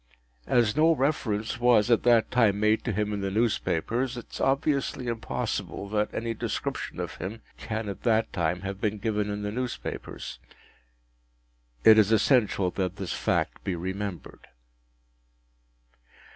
As no reference was at that time made to him in the newspapers, it is obviously impossible that any description of him can at that time have been given in the newspapers. It is essential that this fact be remembered.